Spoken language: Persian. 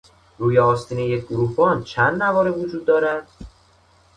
روی آستین یک گروهبان چند نواره وجود دارد؟